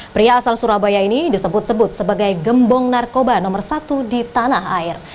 pria asal surabaya ini disebut sebut sebagai gembong narkoba nomor satu di tanah air